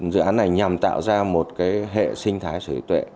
dự án này nhằm tạo ra một hệ sinh thái sở hữu tuệ